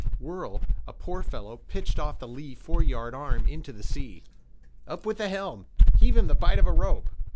Whirl, a poor fellow pitched off the lee foreyard arm into the sea. "Up with the helm—heave him the bight of a rope."